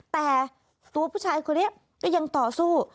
แต่ตัวผู้ชายคนนี้ก็ยังต่อสู้